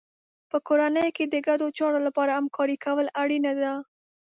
په کورنۍ کې د ګډو چارو لپاره همکاري کول اړینه ده.